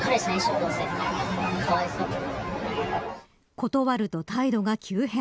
断ると、態度が急変。